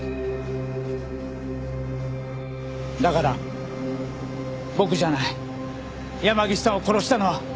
だから僕じゃない山岸さんを殺したのは。